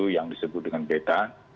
yang disebut dengan beta